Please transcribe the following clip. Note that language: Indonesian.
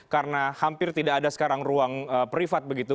karena hampir tidak ada sekarang ruang privat begitu